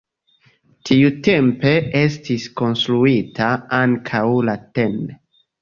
Tiutempe estis konstruita ankaŭ la tn.